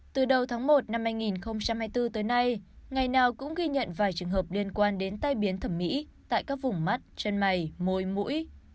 từ đầu tháng một năm hai nghìn hai mươi bốn tới nay ngày nào cũng ghi nhận vài trường hợp liên quan đến tai biến thẩm mỹ tại các vùng mắt chân mày môi mũi